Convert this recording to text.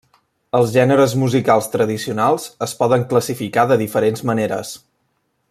Els gèneres musicals tradicionals es poden classificar de diferents maneres.